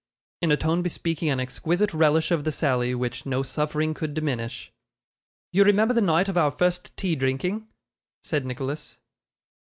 in a tone bespeaking an exquisite relish of the sally, which no suffering could diminish. 'You remember the night of our first tea drinking?' said Nicholas.